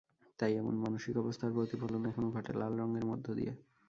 তাই এমন মানসিক অবস্থার প্রতিফলন এখনো ঘটে লাল রঙের মধ্য দিয়ে।